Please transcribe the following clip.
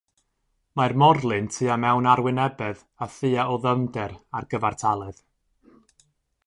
Mae'r morlyn tua mewn arwynebedd a thua o ddyfnder, ar gyfartaledd.